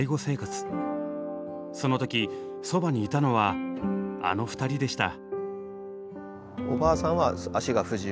その時そばにいたのはあの２人でした。